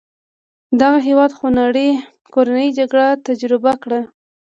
دغه هېواد خونړۍ کورنۍ جګړه تجربه کړه.